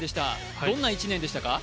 どんな１年でしたか？